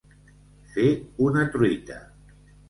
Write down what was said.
Fer una truita.